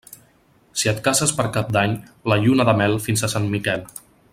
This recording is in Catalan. Si et cases per Cap d'Any, la lluna de mel fins a Sant Miquel.